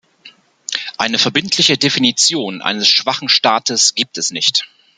Eine verbindliche Definition eines schwachen Staates gibt es nicht.